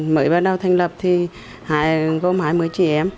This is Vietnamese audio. mới bắt đầu thành lập thì hải gom hải mới chị em